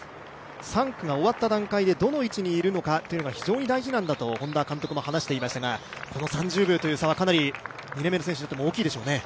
３区が終わった段階でどの位置にいるのかというのが非常に大事なんだと本田監督も話していましたが、この３０秒という差はかなり２年目の選手にとっても大きいでしょうね。